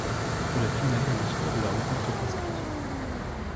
Pour la finale, le score de la rencontre est inscrit.